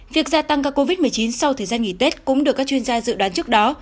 việc gia tăng ca covid một mươi chín sau thời gian nghỉ tết cũng được các chuyên gia dự đoán trước đó